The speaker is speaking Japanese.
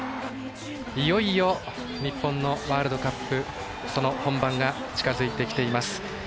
いよいよ、日本のワールドカップその本番が近づいてきています。